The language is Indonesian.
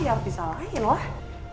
ya harus disalahin lah